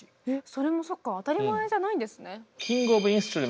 それもそっか当たり前じゃないんですね。